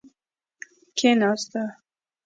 کیناسته.